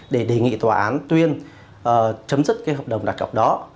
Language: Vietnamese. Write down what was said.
để đề nghị tòa án tuyên chấm dứt cái hợp đồng đặt cọc đó